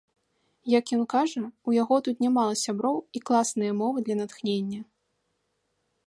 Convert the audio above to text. Як ён кажа, у яго тут нямала сяброў і класныя ўмовы для натхнення.